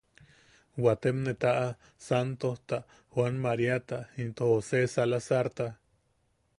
Waatem ne taʼa, Santojta, Joan Maríata into Jose Salazarta.